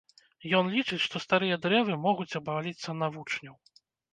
Ён лічыць, што старыя дрэвы могуць абваліцца на вучняў.